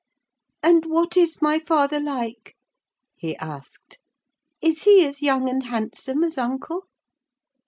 "And what is my father like?" he asked. "Is he as young and handsome as uncle?"